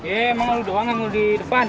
eh emang lu doang yang mau di depan